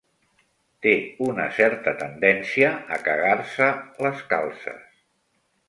Té una certa tendència a cagar-se les calces.